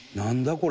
これ。